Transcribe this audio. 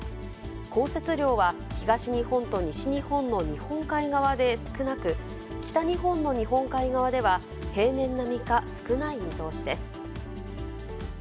降雪量は東日本と西日本の日本海側で少なく、北日本の日本海側では平年並みか少ない見通しです。